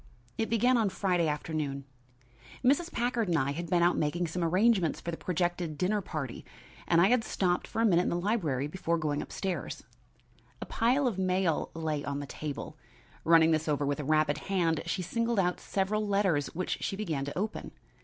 It began on Friday afternoon. Mrs. Packard and I had been out making some arrangements for the projected dinner party and I had stopped for a minute in the library before going up stairs. A pile of mail lay on the table. Running this over with a rapid hand, she singled out several letters which she began to open.